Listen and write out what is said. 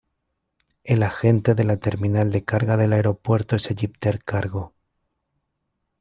El agente de la terminal de carga del aeropuerto es EgyptAir Cargo.